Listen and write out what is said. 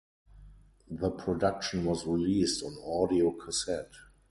The production was released on audio cassette.